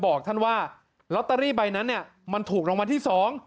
บอกท่านว่าลอตเตอรี่ใบนั้นเนี่ยมันถูกรางวัลที่๒